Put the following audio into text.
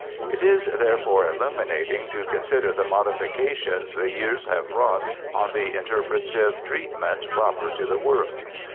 It is, therefore, illuminating to consider the modifications the years have wrought on the interpretative treatment proper to the work.